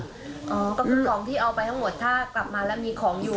ก็คือของที่เอาไปทั้งหมดถ้ากลับมาแล้วมีของอยู่